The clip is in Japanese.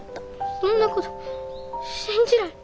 そんなこと信じない。